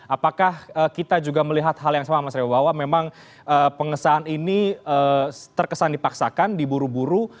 apakah kita juga melihat hal yang sama mas revo bahwa memang pengesahan ini terkesan dipaksakan diburu buru